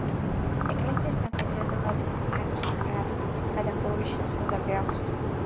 ეკლესიას სამხრეთითა და დასავლეთით არქიტრავით გადახურული შესასვლელები აქვს.